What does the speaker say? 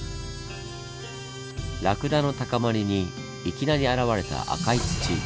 ラクダの高まりにいきなり現れた赤い土。